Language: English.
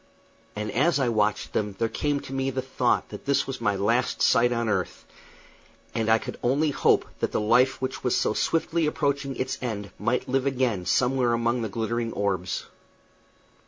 And as I watched them there came to me the thought that this was my last sight on earth, and I could only hope that the life which was so swiftly approaching its end might live again somewhere among those glittering orbs.